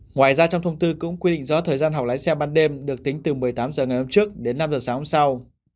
ngoài ra trong thông tư cũng quy định rõ thời gian học lái xe ban đêm được tính từ một mươi tám h ngày hôm trước đến năm h sáng hôm sau